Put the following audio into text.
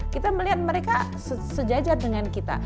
kita melihat mereka sejajar dengan kita